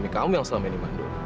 kamu yang selama ini mandul